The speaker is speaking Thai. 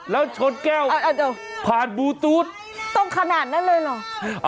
แล้วชนแก้วผ่านบูตู๊ดต้องขนาดนั้นเลยเหรอ